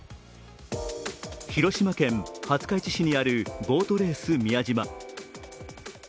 広島県廿日市市にあるボートレース宮島。